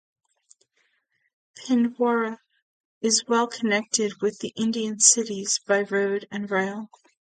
Pindwara is well connected With the Indian Cities by Road and Rail.